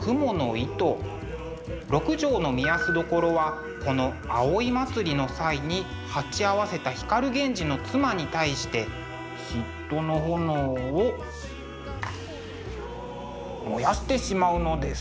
六条御息所はこの葵祭の際に鉢合わせた光源氏の妻に対して嫉妬の焔を燃やしてしまうのです。